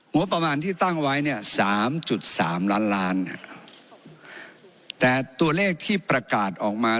งบประมาณที่ตั้งไว้เนี่ยสามจุดสามล้านล้านแต่ตัวเลขที่ประกาศออกมา